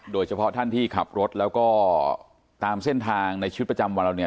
โดยเฉพาะท่านที่ขับรถแล้วก็ตามเส้นทางในชีวิตประจำวันเราเนี่ย